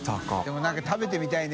任何か食べてみたいね。